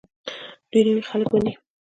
دوی نوي خلک مني.